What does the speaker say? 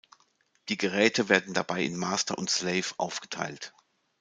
Die Geräte werden dabei in Master und Slave aufgeteilt.